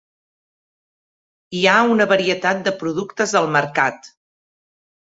Hi ha una varietat de productes al mercat.